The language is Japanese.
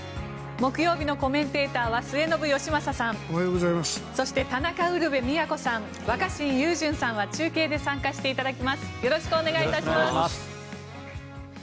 木曜日のコメンテーターは末延吉正さんそして、田中ウルヴェ京さん若新雄純さんは中継で参加していただきます。